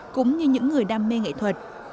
cũng như những người đam mê nghệ thuật